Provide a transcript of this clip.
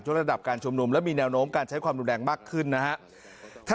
จุดระดับการชมนุมและมีแนวโน้มการใช้ความดูแรงมากขึ้นนะฮะ